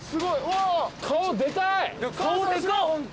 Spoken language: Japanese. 顔でかい！